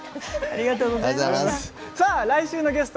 ありがとうございます。